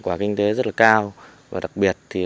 quả kinh tế rất là cao và đặc biệt